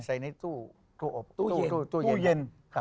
ใส่ในตู้เร็วเต้าตู้เย็น